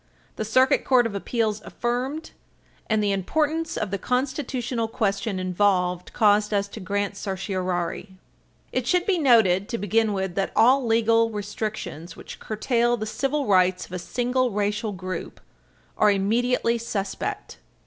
The Circuit Court of Appeals affirmed, [Footnote 1] and the importance of the constitutional question involved caused us to grant certiorari. It should be noted, to begin with, that all legal restrictions which curtail the civil rights of a single racial group are immediately suspect.